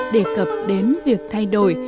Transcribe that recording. đề cập đến việc thay đổi